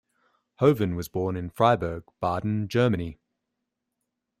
Hoven was born in Freiburg, Baden, Germany.